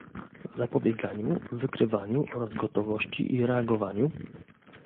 zapobieganiu, wykrywaniu oraz gotowości i reagowaniu